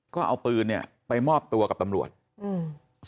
ก็เอาปืนเนี้ยไปมอบตัวกับตำรวจอืม